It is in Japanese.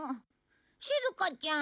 しずかちゃん。